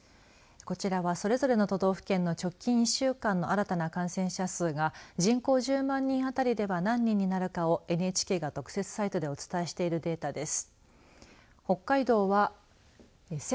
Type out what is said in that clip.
こちらはそれぞれの都道府県の直近１週間の新たな感染者数が人口１０万人当たりでは何人になるかをＮＨＫが特設サイトでお伝えしているデータです。